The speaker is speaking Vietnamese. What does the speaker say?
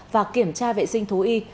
và kiểm tra vệ sinh thú y